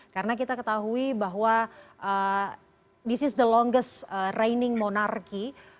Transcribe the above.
karena kita ketahui bahwa ini adalah monarki yang paling lama yang berada di sini